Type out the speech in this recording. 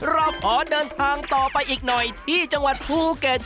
เราขอเดินทางต่อไปอีกหน่อยที่จังหวัดภูเก็ต